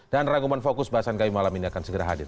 dan rangkuman fokus bahasan kami malam ini akan segera hadir